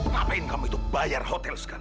ngapain kamu itu bayar hotel sekali